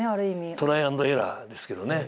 トライ＆エラーですけどね。